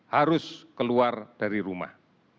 harus keluar dari rumah